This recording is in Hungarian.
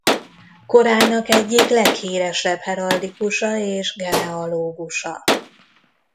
Korának egyik leghíresebb heraldikusa és genealógusa.